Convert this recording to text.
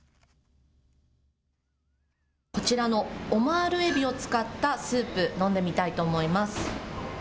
こちらのオマールえびを使ったスープ、飲んでみたいと思います。